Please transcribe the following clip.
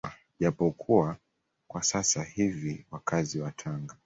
Japo kuwa kwa sasa hivi wakazi wa Tanga